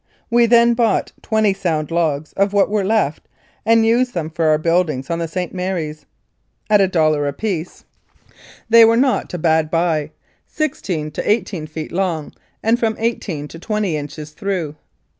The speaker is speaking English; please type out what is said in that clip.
We then bought twenty sound logs of what were left and used them for our buildings on the St. Mary's. At a dollar apiece 59 Mounted Police Life in Canada they were not a bad buy sixteen to eighteen feet long and from eighteen to twenty inches through.